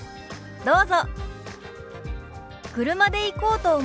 どうぞ。